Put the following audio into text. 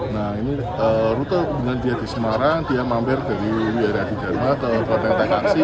nah ini rute kemudian dia di semarang dia mampir dari vihara adhidharma ke klenteng taikaksi